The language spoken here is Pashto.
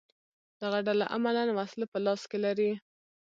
دغه ډله عملاً وسله په لاس کې لري